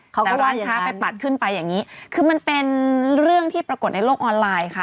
กับร้านค้าไปปัดขึ้นไปอย่างนี้คือมันเป็นเรื่องที่ปรากฏในโลกออนไลน์ค่ะ